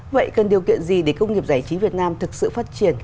vậy cần điều kiện gì để công nghiệp giải trí việt nam thực sự phát triển